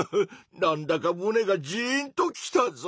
なんだかむねがジーンときたぞ！